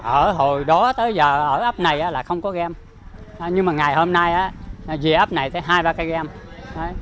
ở hồi đó tới giờ ở ấp này là không có game nhưng mà ngày hôm nay về ấp này thấy hai ba cái game